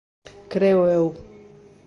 Creo eu.